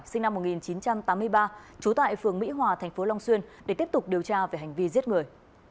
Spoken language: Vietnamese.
sinh năm một nghìn chín trăm tám mươi ba trú tại phường mỹ hòa thành phố long xuyên để tiếp tục điều tra về hành vi giết người